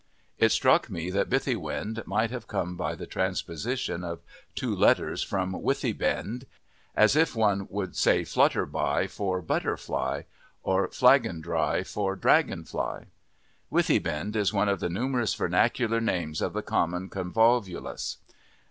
It struck me that bithywind might have come by the transposition of two letters from withybind, as if one should say flutterby for butterfly, or flagondry for dragonfly. Withybind is one of the numerous vernacular names of the common convolvulus.